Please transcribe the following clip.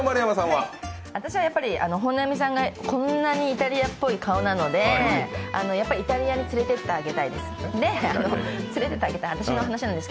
私は本並さんがこんなにイタリアっぽい顔なのでイタリアに連れていってあげたいです。